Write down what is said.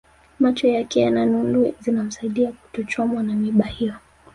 Macho yake yana nundu zinamsaidia kutochomwa na miiba hiyo